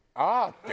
って。